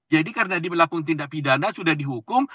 jadi karena dia melakukan tindak pidana sudah dihukum